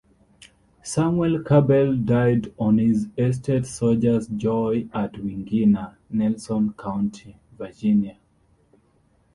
Samuel Cabell died on his estate Soldier's Joy at Wingina, Nelson County, Virginia.